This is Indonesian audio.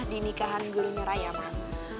di nikahan gurunya rayaman